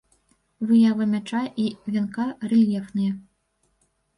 Выява мяча і вянка рэльефныя.